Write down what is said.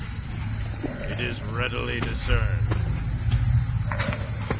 "It is readily discerned."